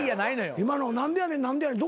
今の「なんでやねんなんでやねん」